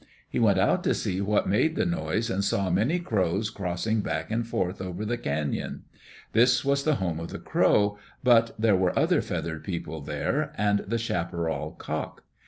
He went out to see what made the noise and saw many crows crossing back and forth over the canon. This was the home of the crow, but there were other feathered people there, and the chaparral cock.